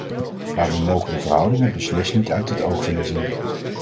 Maar we mogen de verhoudingen beslist niet uit het oog verliezen.